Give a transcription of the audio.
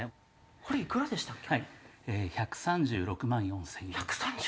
これ幾らでしたっけ？